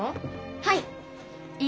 はい！